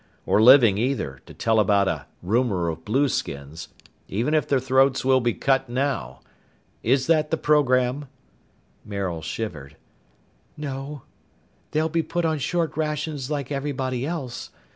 Or living, either, to tell about a rumor of blueskins. Even if their throats will be cut now. Is that the program?" Maril shivered. "No. They'll be put on short rations like everybody else.